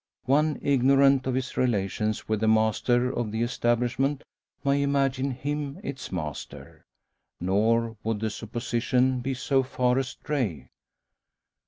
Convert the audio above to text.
One ignorant of his relations with the master of the establishment might imagine him its master. Nor would the supposition be so far astray.